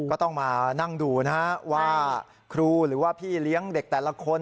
ก็ต้องมานั่งดูนะฮะว่าครูหรือว่าพี่เลี้ยงเด็กแต่ละคน